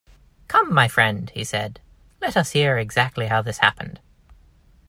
"Come, my friend," he said, "let us hear exactly how this happened!"